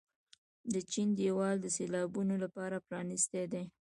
د چین دیوار د سیلانیانو لپاره پرانیستی دی.